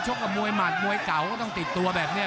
กับมวยหมัดมวยเก่าก็ต้องติดตัวแบบนี้